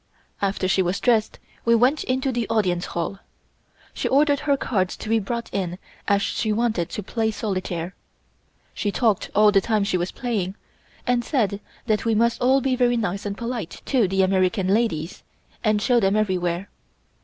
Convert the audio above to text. After she was dressed we went into the Audience Hall. She ordered her cards to be brought in as she wanted to play solitaire. She talked all the time she was playing, and said that we must all be very nice and polite to the American ladies, and show them everywhere.